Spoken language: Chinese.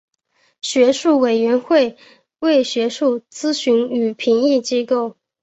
学术委员会为学术咨询与评议机构。